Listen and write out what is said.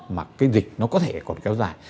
mà cái dịch nó có thể còn kéo dài